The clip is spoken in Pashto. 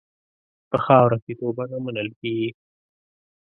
په خاوره کې توبه نه منل کېږي.